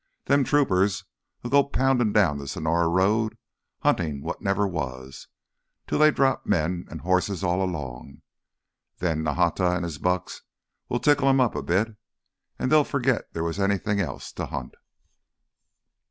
Them troopers'll go poundin' down th' Sonora road huntin' wot never was, till they drop men an' hosses all along. Then Nahata an' his bucks'll tickle 'em up a bit—an' they'll forgit there was anyone else t' hunt."